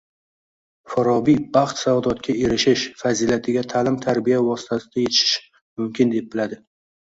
Forobiy baxt-saodatga erishish fazilatiga ta’lim-tarbiya vositasida yetishish mumkin deb biladi